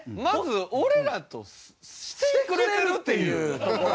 まず俺らとしてくれてるっていう。